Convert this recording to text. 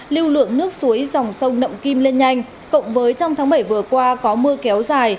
lưu lượng nước suối dòng sông nậm kim lên nhanh cộng với trong tháng bảy vừa qua có mưa kéo dài